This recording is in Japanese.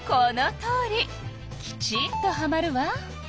きちんとはまるわ。